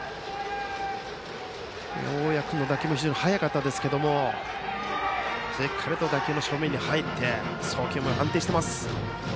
大矢君の打球も非常に速かったですけどしっかり打球の正面に入り送球も安定しています。